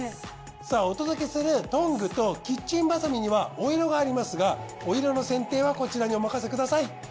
さあお届けするトングとキッチンバサミにはお色がありますがお色の選定はこちらにお任せください。